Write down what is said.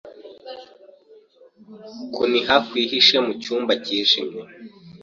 Kuniha kwihishe mucyumba cyijimye